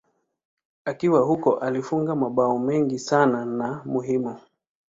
Akiwa huko alifunga mabao mengi sana na muhimu.